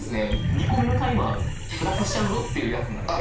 ２個目のタイマープラスしちゃうぞっていうやつなので。